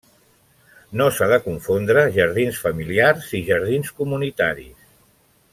No s'ha de confondre jardins familiars i jardins comunitaris.